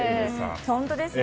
本当ですね。